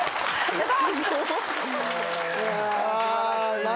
やった！